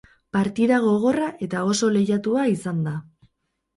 Partida gogorra eta oso lehiatua izan da.